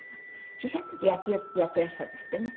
小さい時野球やってらしたんですってね？